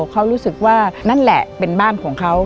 เขารู้สึกว่านั่นแหละเป็นบ้านของเขา